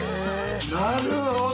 なるほど。